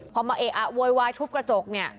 ครับพอมะเอะโวยวายทุบกระจกเนี้ย